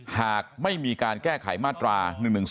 หากไม่มีการแก้ไขมาตรา๑๑๒